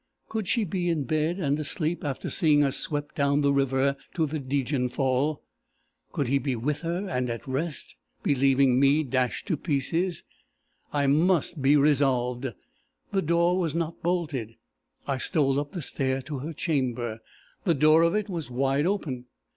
Could she be in bed and asleep, after seeing us swept down the river to the Degenfall! Could he be with her and at rest, believing me dashed to pieces? I must be resolved! The door was not bolted; I stole up the stair to her chamber. The door of it was wide open.